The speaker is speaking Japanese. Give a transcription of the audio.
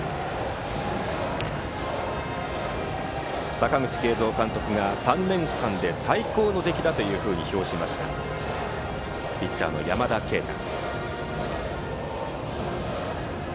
阪口慶三監督が３年間で最高の出来だと評しましたピッチャーの山田渓太。